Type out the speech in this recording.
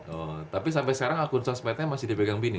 oh tapi sampai sekarang akun sosmednya masih dipegang bini